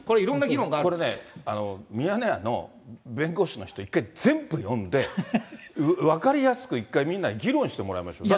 これね、ミヤネ屋の弁護士の人、一回全部呼んで、分かりやすく、一回みんなで議論してもらいましょう。